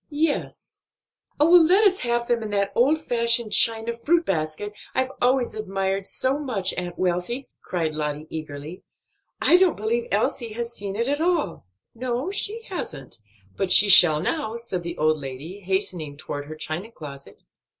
"Yes." "Oh, let us have them in that old fashioned china fruit basket I've always admired so much, Aunt Wealthy!" cried Lottie eagerly. "I don't believe Elsie has seen it at all." "No, so she hasn't; but she shall now," said the old lady, hastening toward her china closet.